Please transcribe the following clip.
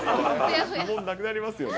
もうなくなりますよね。